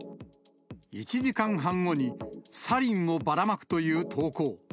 １時間半後に、サリンをばらまくという投稿。